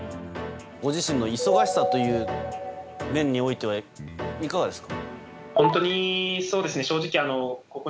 ご自身の忙しさという面においては、いかがですか。